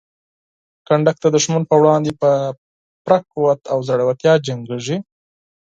کنډک د دښمن په وړاندې په پوره قوت او زړورتیا جنګیږي.